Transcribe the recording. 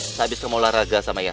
yasmin udah nyampe belum ya